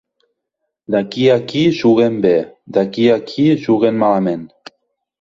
D'aquí a aquí juguen bé, d'aquí a aquí juguen malament.